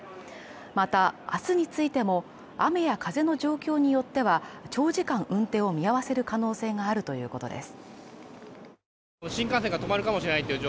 また、明日についても雨や風の状況によっては長時間運転を見合わせる可能性があるということです。